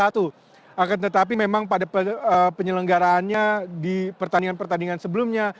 akan tetapi memang pada penyelenggaraannya di pertandingan pertandingan sebelumnya